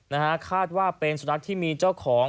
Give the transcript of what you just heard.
นะฮะคาดว่าเป็นสุนัขที่มีเจ้าของ